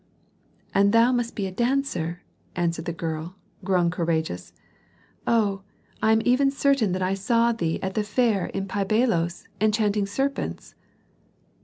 "And thou must be a dancer," answered the girl, grown courageous. "Oh! I am even certain that I saw thee at the fair in Pi Bailos, enchanting serpents."